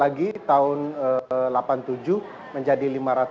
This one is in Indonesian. lagi tahun seribu sembilan ratus delapan puluh tujuh menjadi lima ratus